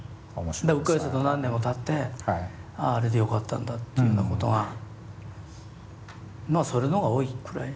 でうっかりすると何年もたってあれでよかったんだっていうようなことがまあそれの方が多いくらい。